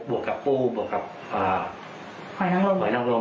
สี่หนูวางายอบของร้อยนางลม